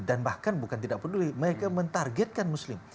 bahkan bukan tidak peduli mereka mentargetkan muslim